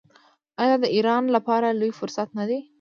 آیا دا د ایران لپاره لوی فرصت نه دی؟